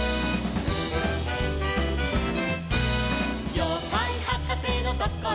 「ようかいはかせのところに」